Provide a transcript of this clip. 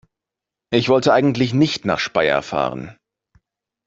Ich wollte eigentlich nicht nach Speyer fahren